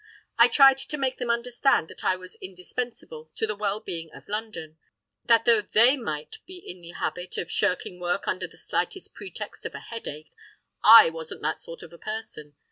I tried to make them understand that I was indispensable to the well being of London; that, though they might be in the habit of shirking work under the slightest pretext of a headache, I wasn't that sort of a person.